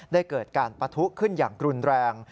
ได้เกิดการปฐุขึ้นอย่างกลุ่นแรง